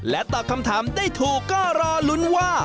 ตอบคำถามได้ถูกก็รอลุ้นว่า